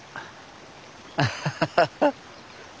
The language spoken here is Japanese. アハハハハハ！